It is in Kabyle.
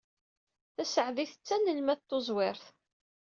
Tasaɛdit d tanelmadt tuẓwirt.